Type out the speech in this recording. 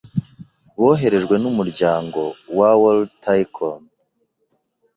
boherejwe n’Umuryango wa World Taekwondo